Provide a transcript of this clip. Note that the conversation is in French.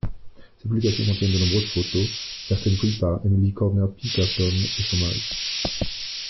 Ces publications contiennent de nombreuses photos, certaines prises par Emily Cordner-Pinkerton et son mari.